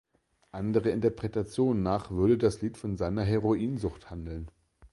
Andere Interpretationen nach würde das Lied von seiner Heroinsucht handeln.